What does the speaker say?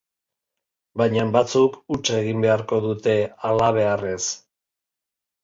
Baina batzuk huts egin beharko dute halabeharrez.